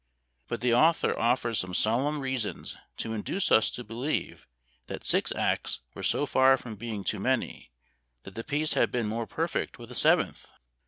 But the author offers some solemn reasons to induce us to believe that six acts were so far from being too many, that the piece had been more perfect with a seventh!